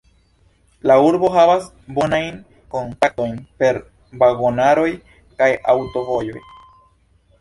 La urbo havas bonajn kontaktojn per vagonaroj kaj aŭtovojoj.